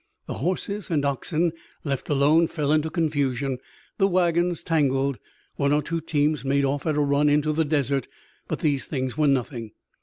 The horses and oxen, left alone, fell into confusion, the wagons tangled. One or two teams made off at a run into the desert. But these things were nothing.